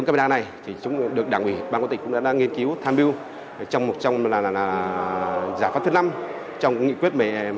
bang công an tỉnh cũng đã nghiên cứu tham biêu trong một trong là giả pháp thứ năm trong nghị quyết một mươi hai